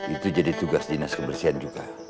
itu jadi tugas dinas kebersihan juga